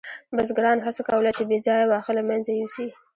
بزګرانو هڅه کوله چې بې ځایه واښه له منځه یوسي.